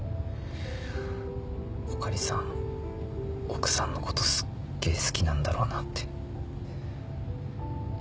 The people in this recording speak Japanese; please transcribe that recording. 穂刈さん奥さんのことすっげぇ好きなんだろうなって。